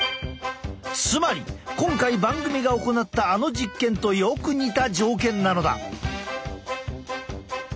つまり今回番組が行ったあの実験とよく似た条件なのだ。